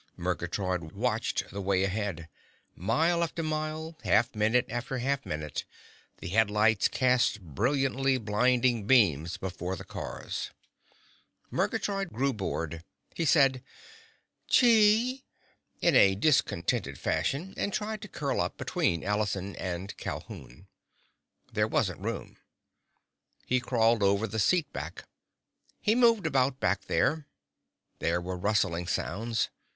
Murgatroyd watched the way ahead. Mile after mile, half minute after half minute, the headlights cast brilliantly blinding beams before the cars. Murgatroyd grew bored. He said, "Chee!" in a discontented fashion and tried to curl up between Allison and Calhoun. There wasn't room. He crawled over the seat back. He moved about, back there. There were rustling sounds.